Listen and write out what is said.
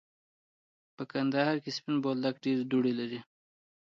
په دوبی کی سپین بولدک ډیری دوړی لری.